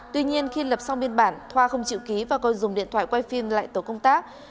tuy nhiên khi lập xong biên bản thoa không chịu ký và coi dùng điện thoại quay phim lại tổ công tác